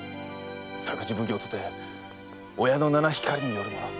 作事奉行とて親の七光によるもの。